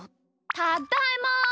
ただいま！